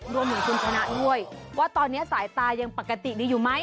รวมถึงคุณชนะด้วยว่าตอนนี้สายตายังปกติดีอยู่ไหม